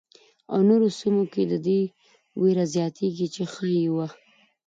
او نورو سیمو کې د دې وېره زیاتېږي چې ښايي یوه.